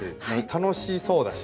楽しそうだし。